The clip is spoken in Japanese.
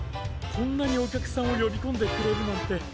こんなにおきゃくさんをよびこんでくれるなんて。